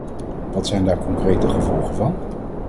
Wat zijn daar concreet de gevolgen van?